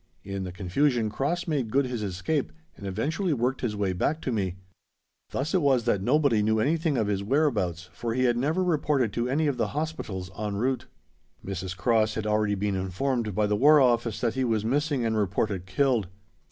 In the confusion Cross made good his escape and eventually worked his way back to me. Thus it was that nobody knew anything of his whereabouts, for he had never reported to any of the Hospitals en route. Mrs. Cross had already been informed by the War Office that he was missing and reported killed.